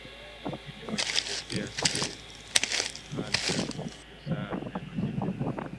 Kinyume chake pia si muhali kuzaa neno jipya